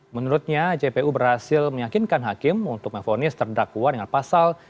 menurutnya jpu berhasil meyakinkan hakim untuk memfonis terdakwa dengan pasal